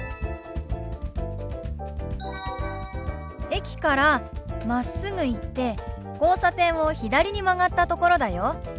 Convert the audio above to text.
駅からまっすぐ行って交差点を左に曲がったところだよ。